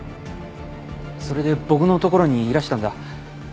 それで僕の所にいらしたんだ。